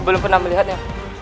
aku belum pernah melihatnya